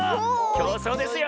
きょうそうですよ！